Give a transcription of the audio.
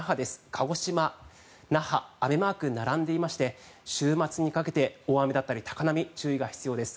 鹿児島、那覇雨マーク並んでいまして週末にかけて大雨だったり高波に注意が必要です。